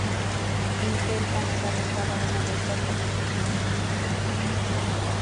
Intel ha negado cada una de estas acusaciones.